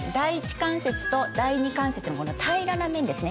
関節と第２関節の平らな面ですね